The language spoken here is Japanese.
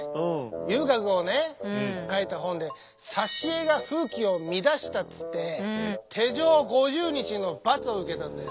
遊郭をね書いた本で挿絵が風紀を乱したっつって手鎖５０日の罰を受けたんだよ。